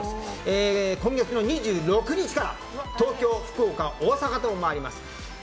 今月の２６日から東京、福岡、大阪と回ります。